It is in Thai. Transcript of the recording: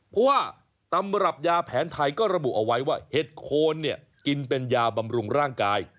เพราะว่าตำรับยาแผนไทยก็ระบุเอาไว้ว่าเห็ดโคนเนี่ยกินเป็นยาบำรุงร่างกาย